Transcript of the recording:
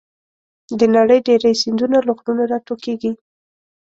د نړۍ ډېری سیندونه له غرونو راټوکېږي.